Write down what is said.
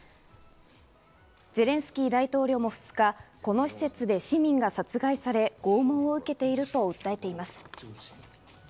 ゼレンスキー大統領も２日、この施設で市民が殺害され、拷問を受けていると訴えています。